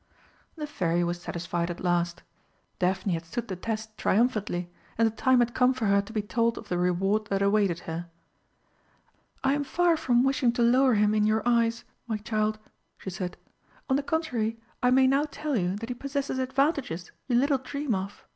The Fairy was satisfied at last; Daphne had stood the test triumphantly, and the time had come for her to be told of the reward that awaited her. "I am far from wishing to lower him in your eyes, my child," she said. "On the contrary, I may now tell you that he possesses advantages you little dream of.